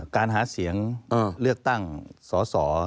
การหาเสียงเลือกตั้งสอสอ